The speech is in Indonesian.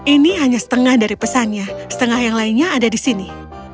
ini hanya setengah dari pesannya setengah yang lainnya ada di sini